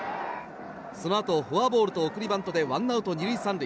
そのあと、フォアボールと送りバントでワンアウト２塁３塁。